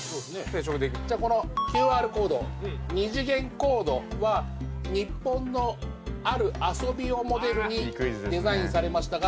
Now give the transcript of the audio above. じゃあこのＱＲコード２次元コードは日本のある遊びをモデルにデザインされましたが。